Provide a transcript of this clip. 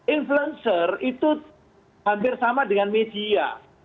influencer itu hampir sama dengan media